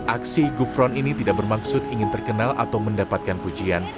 aksi gufron ini tidak bermaksud ingin terkenal atau mendapatkan pujian